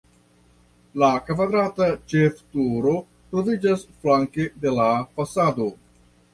La kvadrata ĉefturo troviĝas flanke de la fasado.